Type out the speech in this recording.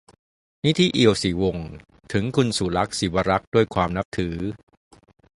นิธิ เอียวศรีวงศ์ : ถึงคุณสุลักษณ์ ศิวรักษ์ ด้วยความนับถือ